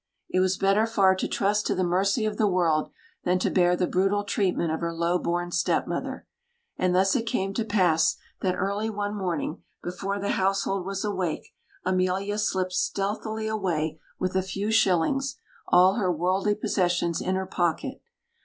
It was better far to trust to the mercy of the world than to bear the brutal treatment of her low born stepmother. And thus it came to pass that, early one morning, before the household was awake, Emilia slipped stealthily away with a few shillings, all her worldly possessions, in her pocket.